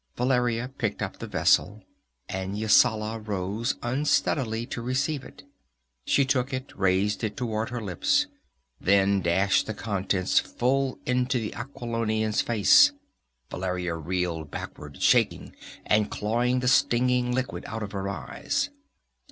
Valeria picked up the vessel, and Yasala rose unsteadily to receive it. She took it, raised it toward her lips then dashed the contents full into the Aquilonian's face. Valeria reeled backward, shaking and clawing the stinging liquid out of her eyes.